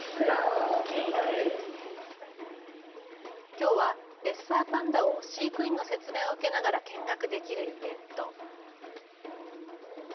きょうはレッサーパンダを飼育員の説明を受けながら見学できるイベント。